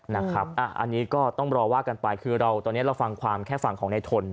อันนี้ก็ต้องรอว่ากันไปคือเราตอนนี้เราฟังความแค่ฝั่งของในทน